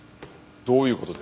どういう事です？